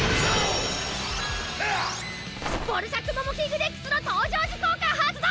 ボルシャック・モモキングＮＥＸの登場時効果発動！